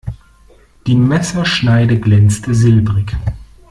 Die Messerschneide glänzte silbrig.